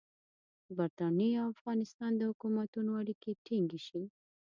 د برټانیې او افغانستان د حکومتونو اړیکې ټینګې شي.